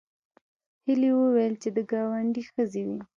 هیلې وویل چې د ګاونډي ښځې وې